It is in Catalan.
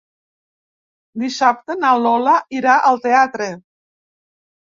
Dissabte na Lola irà al teatre.